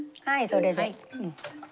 はいそれで。